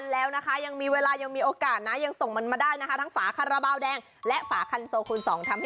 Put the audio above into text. และช่วงนี้กลับไปติดตามความสนุกกับวัตตาลอนค่ะ